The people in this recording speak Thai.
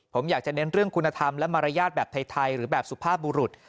ผมอยากจะเน้นเรื่องคุณธรรมและมารยาทแบบไทยหรือแบบสุภาพบุรุษ